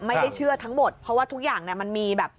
ไม่ได้เชื่อทั้งหมดเพราะว่าทุกอย่างมันมีแบบ